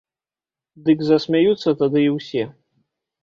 Дык засмяюцца тады і ўсе.